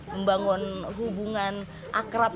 membangun hubungan akrab